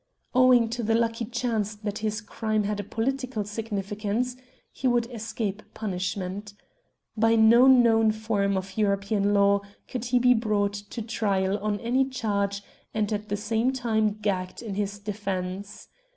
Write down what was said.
Owing to the lucky chance that his crime had a political significance he would escape punishment. By no known form of European law could he be brought to trial on any charge and at the same time gagged in his defence.